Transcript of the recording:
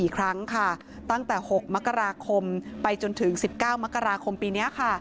๔ครั้งค่ะตั้งแต่๖มกราคมไปจนถึง๑๙มกราคมปีนี้ค่ะ